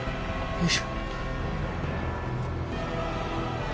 よいしょ。